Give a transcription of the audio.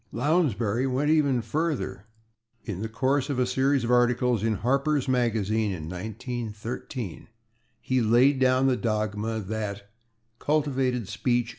Lounsbury went even further. In the course of a series of articles in /Harper's Magazine/, in 1913, he laid down the dogma that "cultivated speech